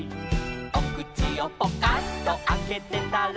「おくちをポカンとあけてたら」